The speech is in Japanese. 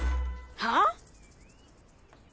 はあ？